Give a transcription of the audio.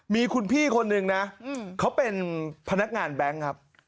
มีคุณพี่คนนึงนะเขาเป็นพนักงานแบงค์ครับ